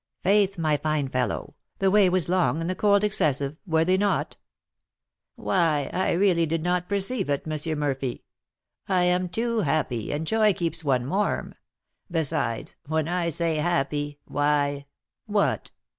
"'Faith, my fine fellow, the way was long and the cold excessive; were they not?" "Why, I really did not perceive it, M. Murphy; I am too happy, and joy keeps one warm. Besides, when I say happy, why " "What?"